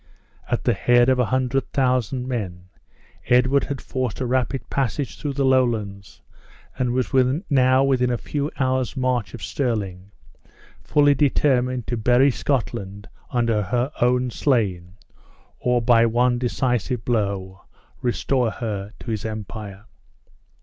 At the head of a hundred thousand men, Edward had forced a rapid passage through the Lowlands, and was now within a few hours' march of Stirling, fully determined to bury Scotland under her own slain, or, by one decisive blow, restore her to his empire.